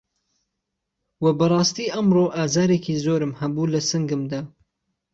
وە بەڕاستی ئەمڕۆ ئازارێکی زۆرم هەبوو لە سنگمدا